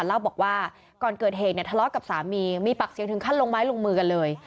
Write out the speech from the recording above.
เล่าบอกว่าก่อนเกิดเหตุเนี่ยทะเลาะกับสามีมีปากเสียงถึงขั้นลงไม้ลงมือกันเลย